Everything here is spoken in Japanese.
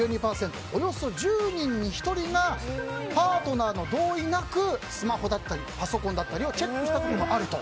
およそ１０人に１人がパートナーの同意なくスマホだったりパソコンだったりチェックしたことがあると。